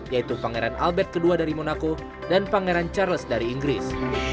yaitu pangeran albert ii dari monaco dan pangeran charles dari inggris